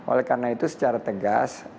oleh karena itu secara tegas